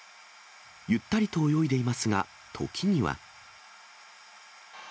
ゆったりと泳いでいますが、時には。